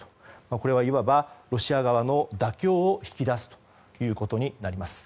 これは、いわばロシア側の妥協を引き出すということになります。